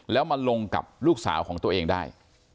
แล้วมาลงกับลูกสาวของตัวเองได้